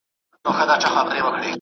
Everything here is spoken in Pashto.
ماشوم د غره په سر کې د بازانو الوت کاته.